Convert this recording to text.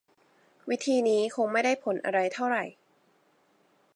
วิธีนี้คงไม่ได้ผลอะไรเท่าไหร่